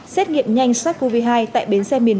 xét nghiệm nhanh sars cov hai tại bến xe miền